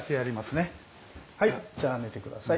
はいじゃあ寝て下さい。